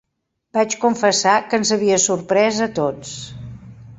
Vaig confessar que ens havia sorprès a tots.